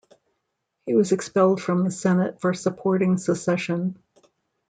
He was expelled from the Senate for supporting secession.